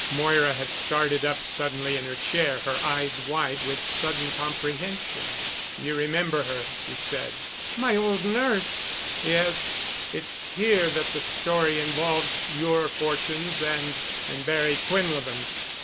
Moira had started up suddenly in her chair, her eyes wide with sudden comprehension. "You remember her——" he said. "My old nurse——!" "Yes. It's here that the story involves your fortunes and—and Barry Quinlevin's.